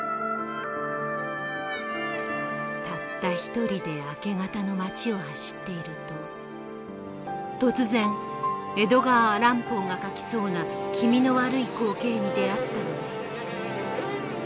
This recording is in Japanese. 「たった一人で明け方の街を走っていると突然エドガー・アラン・ポーが書きそうな気味の悪い光景に出会ったのです。